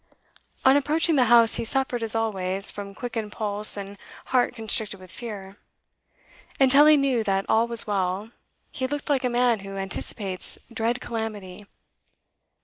On approaching the house he suffered, as always, from quickened pulse and heart constricted with fear. Until he knew that all was well, he looked like a man who anticipates dread calamity.